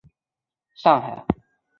日军攻陷陷港之后返回上海。